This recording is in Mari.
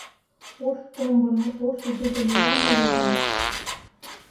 Ош комбын ош игыже лиям ыле гын